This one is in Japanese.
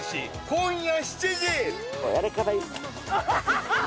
今夜７時。